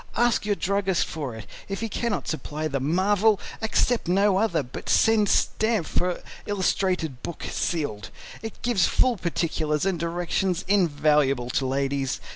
Ask your druggist for it. If he cannot supply the MARVEL, accept no other, but send stamp for illustrated book sealed. It gives full particulars and directions invaluable to ladies.